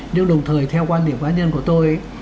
nhưng đồng thời theo quan điểm bán nhân của tôi ấy